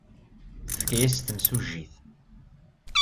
Tefka-as-tt temsujjit.